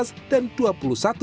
utama ganda kehey resonance